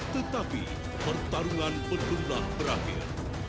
tetapi pertarungan berlulah berakhir